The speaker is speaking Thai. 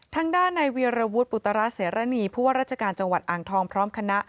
ทางด้านในเวียรวุฒิปุตระเสรณีผู้ว่าราชการจังหวัดอ่างทองพร้อมคณะ